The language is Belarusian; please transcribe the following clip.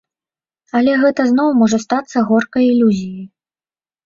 Але гэта зноў можа стацца горкай ілюзіяй.